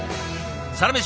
「サラメシ」